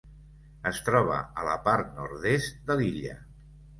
Es troba a la part nord-est de l'illa.